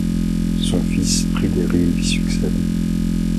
Son fils Pryderi lui succède.